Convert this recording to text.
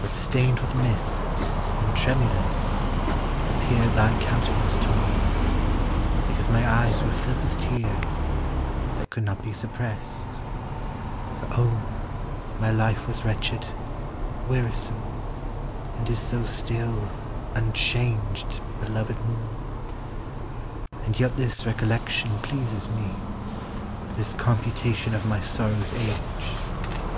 But stained with mist, and tremulous, appeared Thy countenance to me, because my eyes Were filled with tears, that could not be suppressed; For, oh, my life was wretched, wearisome, And is so still, unchanged, belovèd moon! And yet this recollection pleases me, This computation of my sorrow's age.